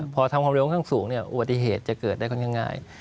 พอทำความเร็วค่อนข้างสูงอุบัติเหตุจะเกิดได้ค่อนข้างง่าย